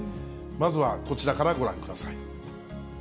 まずはこちらからご覧ください。